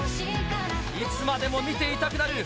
いつまでも見ていたくなる